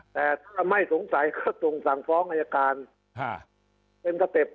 แต่ถ้าไม่สงสัยก็ส่งสั่งฟ้องอายการเป็นสเต็ป